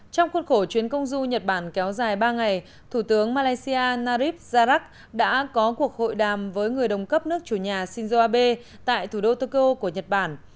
trong khuôn khổ chuyến công du nhật bản kéo dài ba ngày thủ tướng malaysia narib zarak đã có cuộc hội đàm với người đồng cấp nước chủ nhà shinzo abe tại thủ đô tokyo của nhật bản